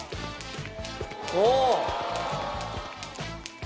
おお！